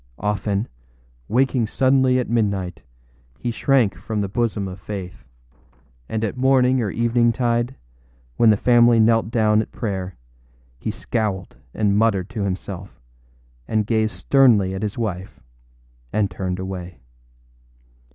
Often, waking suddenly at midnight, he shrank from the bosom of Faith; and at morning or eventide, when the family knelt down at prayer, he scowled and muttered to himself, and gazed sternly at his wife, and turned away.